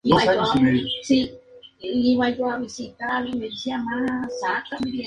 En su ciudad natal fue nombrado ciudadano ilustre.